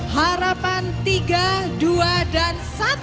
harapan tiga dua dan satu